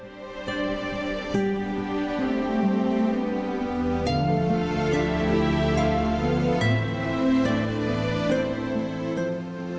มันถึงอาทิตย์มาก